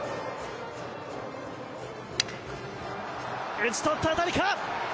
打ち取った当たりか？